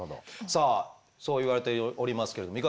さあそう言われておりますけれどもえ！？